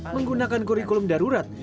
menggunakan kurikulum darurat